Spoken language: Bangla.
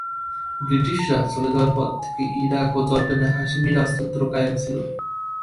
ব্রিটিশরা চলে যাওয়ার পর থেকে ইরাক ও জর্ডানে হাশেমি রাজতন্ত্র কায়েম ছিল।